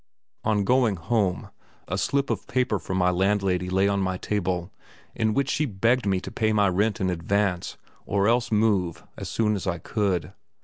On going home, a slip of paper from my landlady lay on my table, in which she begged me to pay my rent in advance, or else move as soon as I could.